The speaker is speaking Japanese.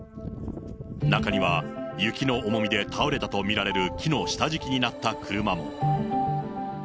中には雪の重みで倒れたと見られる木の下敷きになった車も。